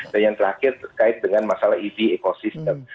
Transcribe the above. dan yang terakhir terkait dengan masalah ev ecosystem